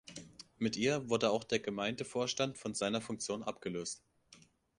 Mit ihr wurde auch der Gemeindevorstand von seiner Funktion abgelöst.